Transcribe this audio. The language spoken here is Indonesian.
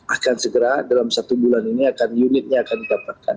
akan segera dalam satu bulan ini akan unitnya akan didapatkan